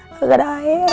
gak ada air